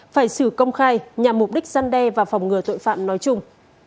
phải xử công khai nhằm mục đích gian đe và phòng ngừa tội phạm nói chung